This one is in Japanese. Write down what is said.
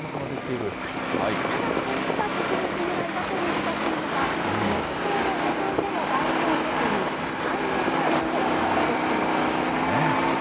ただ、こうした植物由来だと難しいのが、熱湯を注いでも大丈夫という耐熱性を確保することなんです。